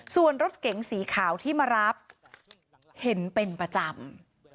ส่วนรถเก๋งสีขาวที่มารับเห็นเป็นประจำ